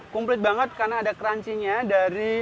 kumplit banget karena ada crunchiness dari